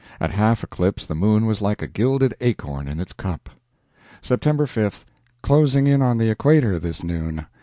At half eclipse the moon was like a gilded acorn in its cup. Sept. 5. Closing in on the equator this noon.